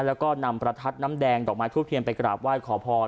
แล้วก็นำประทัดน้ำแดงดอกไม้ทูบเทียนไปกราบไหว้ขอพร